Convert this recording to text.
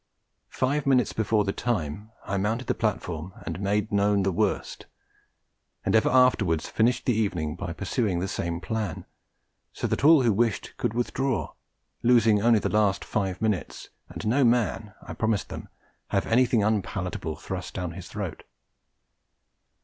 Five minutes before the time, I mounted the platform and made known the worst; and ever afterwards finished the evening by pursuing the same plan, so that all who wished could withdraw, losing only the last five minutes, and no man (I promised them) have anything unpalatable thrust down his throat.